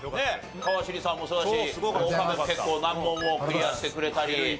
川尻さんもそうだし岡部も結構難問をクリアしてくれたり。